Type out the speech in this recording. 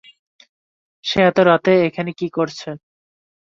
সে এত রাতে এখানে কী করছে?